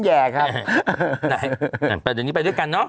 แต่เดี๋ยวนี้ไปด้วยกันเนอะ